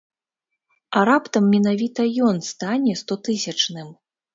А раптам менавіта ён стане стотысячным?